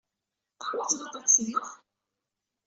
Teḥwajed aṭaksi, naɣ?